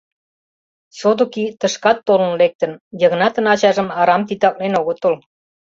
Содыки тышкат толын лектын — Йыгнатын ачажым арам титаклен огытыл.